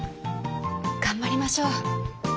頑張りましょう。